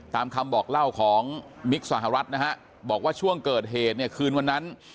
ตามคำบอกเล่าของมิกสหรัฐนะฮะบอกว่าช่วงเกิดเหตุเนี่ยคืนวันนั้น